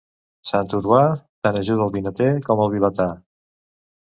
Sant Urbà tant ajuda el vinater com el vilatà.